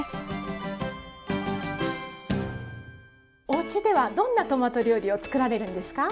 おうちではどんなトマト料理を作られるんですか？